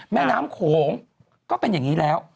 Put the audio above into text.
แม่น้ำโขงก็เป็นอย่างนี้แล้ว